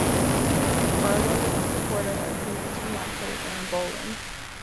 Barlow was a supporter of Henry's fiancee, Anne Boleyn.